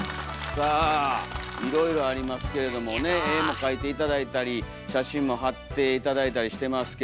さあいろいろありますけれどもね絵も描いて頂いたり写真も貼って頂いたりしてますけども。